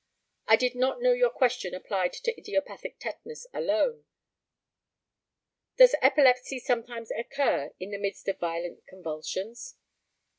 I did not know your question applied to idiopathic tetanus alone. Does epilepsy sometimes occur in the midst of violent convulsions?